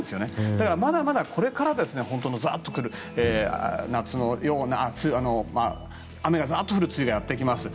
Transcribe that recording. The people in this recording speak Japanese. だからまだまだこれからですね夏のような雨が降る梅雨がやってきます。